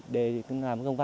để làm công bác